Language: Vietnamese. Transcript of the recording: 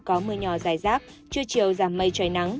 có mưa nhỏ dài rác trưa chiều giảm mây trời nắng